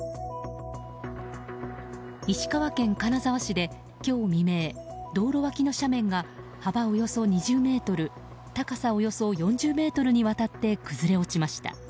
石川県金沢市で今日未明道路脇の斜面が幅およそ２０ｍ高さおよそ４０ｍにわたって崩れ落ちました。